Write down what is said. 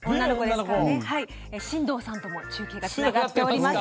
進藤さんとも中継がつながっております。